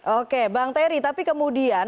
oke bang terry tapi kemudian